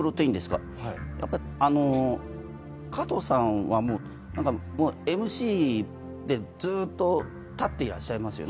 加藤さんはＭＣでずっと立っていらっしゃいますよね。